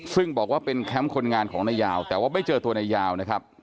ซึ่งบอกว่าเป็นแคมป์คนงานของนายยาวแต่ว่าไม่เจอตัวนายยาวนะครับ